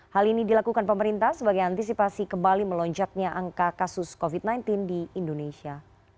hal ini dilakukan pemerintah sebagai antisipasi kembali melonjaknya angka kasus covid sembilan belas di indonesia